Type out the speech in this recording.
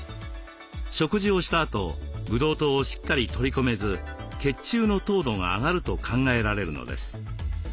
食事をしたあとブドウ糖をしっかり取り込めず血中の糖度が上がると考えられるのです。